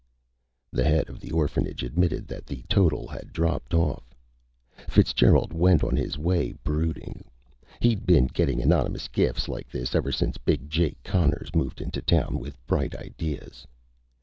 The head of the orphanage admitted that the total had dropped off. Fitzgerald went on his way, brooding. He'd been getting anonymous gifts like this ever since Big Jake Connors moved into town with bright ideas.